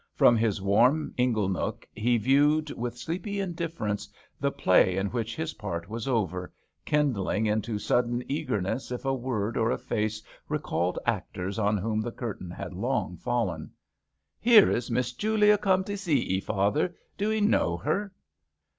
From his warm ingle nook he viewed with sleepy indifference the play in which his part was over, kindling into sudden eager 26 OLD CASTLEMAN ness if a word or a face recalled actors on whom the curtain had long fallen. "Here is Miss Julia come to sec *ee, father. Do *ee know her